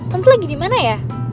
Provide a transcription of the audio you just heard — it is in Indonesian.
tante lagi dimana ya